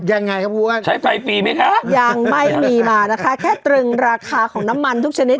ยังไงครับครับพุธใช้ปลายปีมิคะยังไม่มีมานะคะแค่ตรึงราคาของน้ำมันทุกชนิด